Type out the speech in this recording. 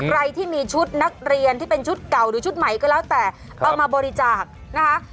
ใครที่มีชุดนักเรียนที่เป็นชุดเก่าหรือชุดใหม่ก็แล้วแต่เอามาบริจาคนะคะ